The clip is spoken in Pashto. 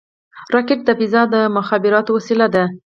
راکټ د فضا د مخابراتو وسیله ده